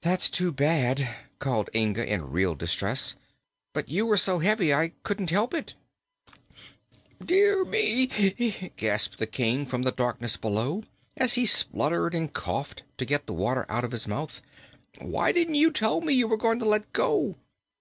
"That's too bad!" called Inga, in real distress; "but you were so heavy I couldn't help it." "Dear me!" gasped the King, from the darkness below, as he spluttered and coughed to get the water out of his mouth. "Why didn't you tell me you were going to let go?"